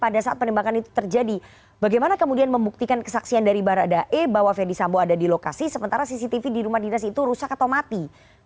pada saat penembakan itu terjadi bagaimana kemudian membuktikan kesaksian dari baradae bahwa fendi sambo ada di lokasi sementara cctv di rumah dinas itu rusak atau mati